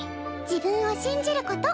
自分を信じること。